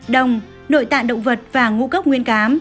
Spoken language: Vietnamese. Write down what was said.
đồng nội tạng động vật và ngũ cốc nguyên cám